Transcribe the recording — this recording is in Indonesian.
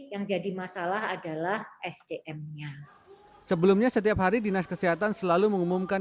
yang jadi masalah adalah sdm nya sebelumnya setiap hari dinas kesehatan selalu mengumumkan